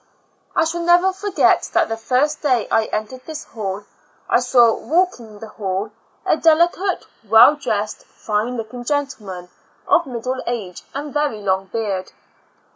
I shall never forget that the first day I entered this hall, I saw, walking the hall, a delicate, well dressed, fine looking gentleman, of middle age and very long beard.